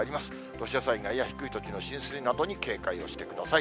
土砂災害や低い土地の浸水などに警戒をしてください。